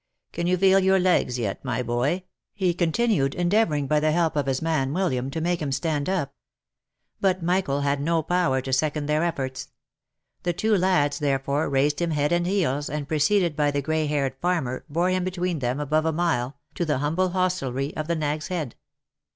Can you feel your legs yet, my boy?" he continued, endeavouring, by the help of his man William, to make him stand up. But Michael had no power to second their efforts ; the two lads, threfore, raised him head and heels, and preceded by the gray haired farmer, bore him between them above a mile, to the humble hostelry of the Nag's Head.